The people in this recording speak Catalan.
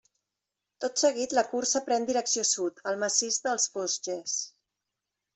Tot seguit la cursa pren direcció sud, al massís dels Vosges.